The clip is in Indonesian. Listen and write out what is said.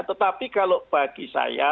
tetapi kalau bagi saya